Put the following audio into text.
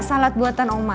salad buatan oma